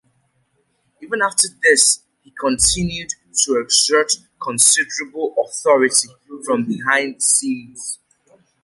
Even after this, he continued to exert considerable authority from behind the scenes.